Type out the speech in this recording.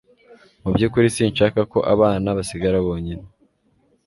Mu byukuri sinshaka ko abana basigara bonyine